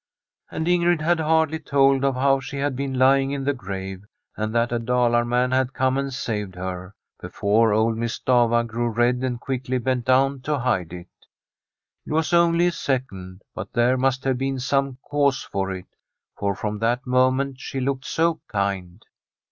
And Ingrid had hardly told of how she had been lying in the grave, and that a Dalar man had come and saved her, before old Miss Stafva grew red and quickly bent down to hide it. It was only a second, but there must have been some cause for it, for from that moment she looked so kind.